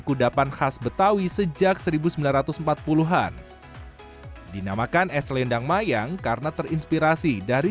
kudapan khas betawi sejak seribu sembilan ratus empat puluh an dinamakan es selendang mayang karena terinspirasi dari